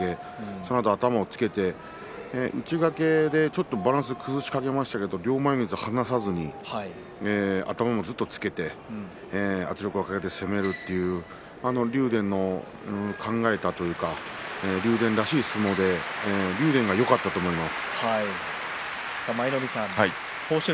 そのあと頭をつけて内掛けでちょっとバランスが崩れかけましたけども両前みつを離さず頭もずっとつけて圧力をかけて攻めるという竜電の考えたというか竜電らしい相撲で竜電がよかったと思います。